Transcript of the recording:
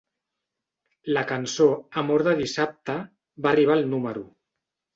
La cançó "Amor de dissabte" va arribar al número.